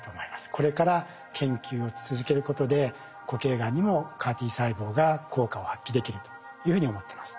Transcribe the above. これから研究を続けることで固形がんにもＣＡＲ−Ｔ細胞が効果を発揮できるというふうに思ってます。